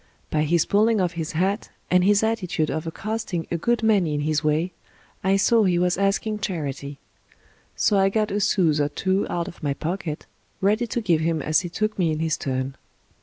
By his pulling off his hat, and his attitude of accosting a good many in his way, I saw he was asking charity ; so I got a sous or two out of my pocket, ready to give him as he took me in his turn.